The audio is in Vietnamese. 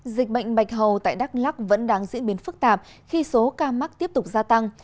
dịch bệnh bạch hầu tại đắk lắc vẫn đang diễn biến phức tạp khi số ca mắc tiếp tục gia tăng